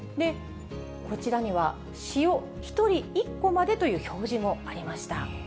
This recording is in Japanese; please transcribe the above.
こちらには、塩１人１個までという表示もありました。